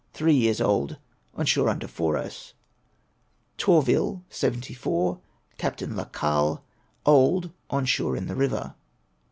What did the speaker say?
Three years old ; on shore under Fouras. Tourville, 74, Capt. La Caille. Old ; on shore in the river.